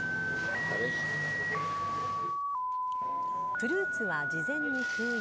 フルーツは事前に空輸。